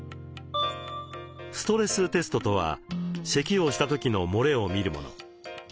ストレステストとはせきをした時のもれを見るもの。